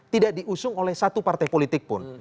tidak diusung oleh satu partai politik pun